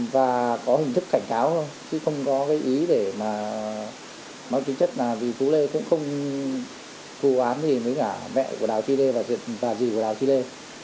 và có hình thức cảnh cáo thôi chứ không có cái ý để mà nói chính chất là vì phú lê cũng không cố án gì với cả mẹ của đào chi lê và dì của đào chi lê